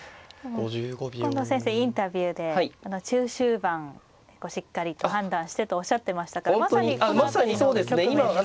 近藤先生インタビューで中終盤しっかりと判断してとおっしゃってましたからまさにこの辺りの局面ですよね。